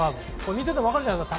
見ていて分かるじゃないですか。